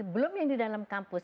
belum yang di dalam kampus